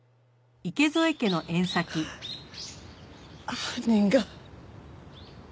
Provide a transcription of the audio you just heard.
犯人が。